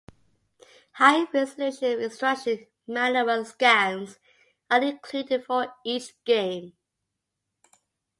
High-resolution instruction manual scans are included for each game.